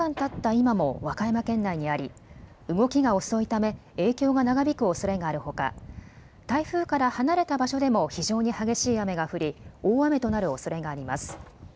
今も和歌山県内にあり動きが遅いため影響が長引くおそれがあるほか台風から離れた場所でも非常に激しい雨が降り大雨となるおそれがあります。